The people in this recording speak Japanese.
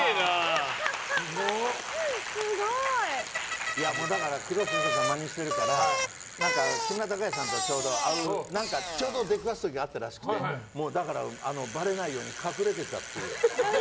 すごい！工藤静香さんをまねしてるから木村拓哉さんと、ちょうど出くわす時があったらしくてばれないように隠れてたっていう。